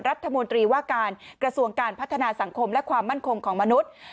รัฐมนตรีว่าการกระทรวงการพัฒนาสังคมและความมั่นคงของมนุษย์